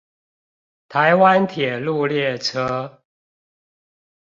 台灣鐵路列車